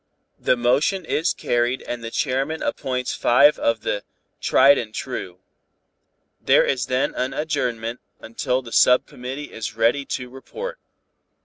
"The motion is carried and the chairman appoints five of the 'tried and true.' There is then an adjournment until the sub committee is ready to report.